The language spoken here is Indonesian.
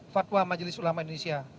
fatwa majelis ulama indonesia